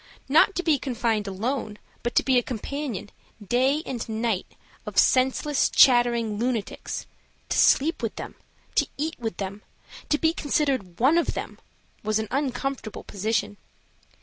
Not to be confined alone, but to be a companion, day and night, of senseless, chattering lunatics; to sleep with them, to eat with them, to be considered one of them, was an uncomfortable position.